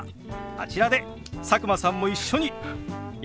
あちらで佐久間さんも一緒にやってみましょう！